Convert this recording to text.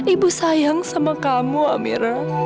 ibu sayang sama kamu amira